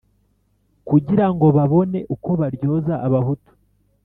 kugira ngo babone uko baryoza abahutu,